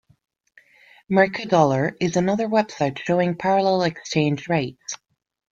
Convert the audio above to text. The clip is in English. Mercadolar is another website showing parallel exchange rates.